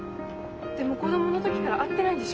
でも子供の時から会ってないんでしょ？